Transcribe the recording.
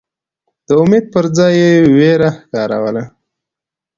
د امید پر ځای یې وېره ښکاروله.